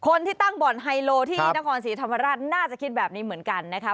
คนที่ตั้งบ่อนไฮโลที่นครศรีธรรมราชน่าจะคิดแบบนี้เหมือนกันนะคะ